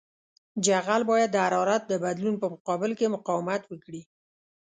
جغل باید د حرارت د بدلون په مقابل کې مقاومت وکړي